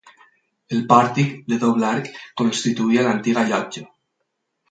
El pòrtic, de doble arc, constituïa l'antiga llotja.